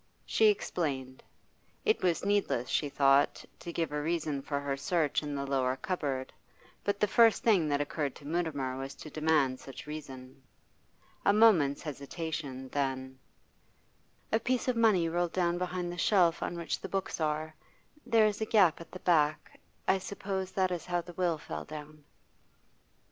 She explained. It was needless, she thought, to give a reason for her search in the lower cupboard; but the first thing that occurred to Mutimer was to demand such reason. A moment's hesitation; then: 'A piece of money rolled down behind the shelf on which the books are; there is a gap at the back. I suppose that is how the will fell down.